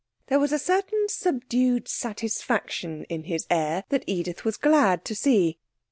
There was a certain subdued satisfaction in his air that Edith was glad to see.